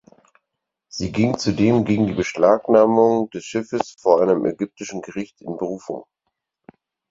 Sie ging zudem gegen die Beschlagnahmung des Schiffes vor einem ägyptischen Gericht in Berufung.